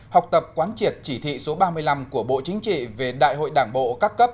học tập quán triệt chỉ thị số ba mươi năm của bộ chính trị về đại hội đảng bộ các cấp